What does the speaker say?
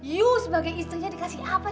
yu sebagai istrinya dikasih apa